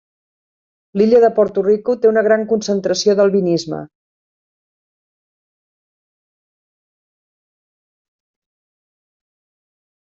L'illa de Porto Rico té una gran concentració d'albinisme.